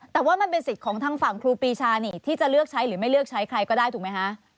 แต่ว่ามันเป็นสิทธิ์ของทางฝั่งครูปีชานี่ที่จะเลือกใช้หรือไม่เลือกใช้ใครก็ได้ถูกไหมคะ